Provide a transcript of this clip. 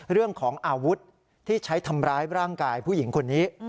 เรื่องของอาวุธที่ใช้ทำร้ายร่างกายผู้หญิงคนนี้